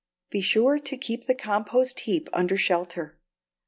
Be sure to keep the compost heap under shelter.